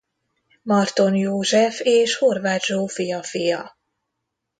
Marton József és Horváth Zsófia fia.